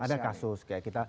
ada kasus kayak kita